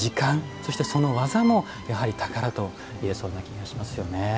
そしてその技も宝といえそうな気がしますね。